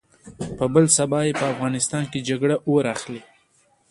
په بل سبا يې په افغانستان کې جګړه اور اخلي.